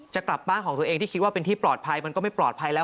จะกลับบ้านของตัวเองที่คิดว่าเป็นที่ปลอดภัยมันก็ไม่ปลอดภัยแล้ว